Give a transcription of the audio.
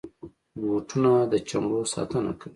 بوټونه د چمړو ساتنه کوي.